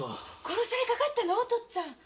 殺されかかったのお父っつぁん！？